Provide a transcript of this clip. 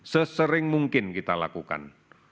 sesering mungkin kita lakukan